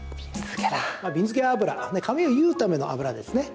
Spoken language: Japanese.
鬢付け油髪を結うための油ですね。